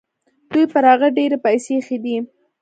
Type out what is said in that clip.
دوی پر هغه ډېرې پیسې ایښي دي.